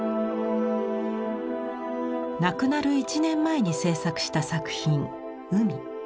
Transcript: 亡くなる１年前に制作した作品「海」。